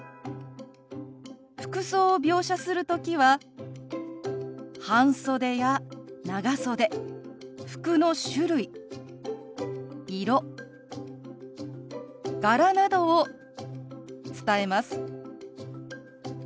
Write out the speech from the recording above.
服装を描写する時は半袖や長袖服の種類色柄などを伝えます。